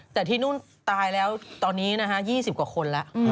แต่ที่นู่นตายแล้วตอนนี้นะฮะ๒๐กว่าคนแล้ว